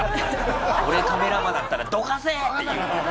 俺カメラマンだったら「どかせ！」って言うけど。